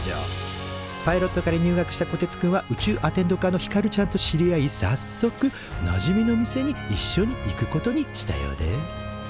パイロット科に入学したこてつくんは宇宙アテンド科のひかるちゃんと知り合いさっそくなじみの店にいっしょに行くことにしたようです